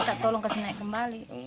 terus naik kembali